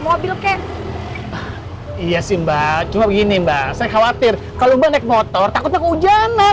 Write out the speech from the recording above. mobil kek iya sih mbak cuma gini mbak saya khawatir kalau mbak naik motor takut hujanan